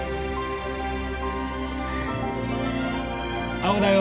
青だよ。